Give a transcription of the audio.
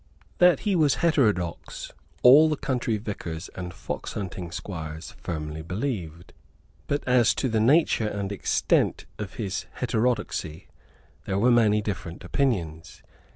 That he was heterodox all the country vicars and foxhunting squires firmly believed; but as to the nature and extent of his heterodoxy there were many different opinions.